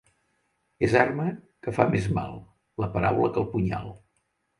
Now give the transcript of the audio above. És arma que fa més mal la paraula que el punyal.